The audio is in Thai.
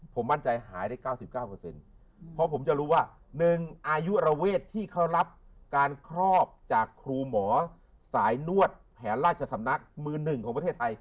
ผมมั่นใจหายได้๙๙เพราะผมจะรู้ว่า๑อายุระเวทที่เขารับการครอบจากครูหมอสายนวดแผนราชสำนักมือหนึ่งของประเทศไทย